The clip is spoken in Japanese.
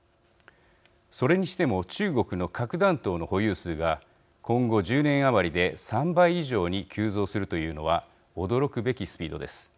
それにしても中国の核弾頭の保有数が今後、１０年余りで３倍以上に急増するというのは驚くべきスピードです。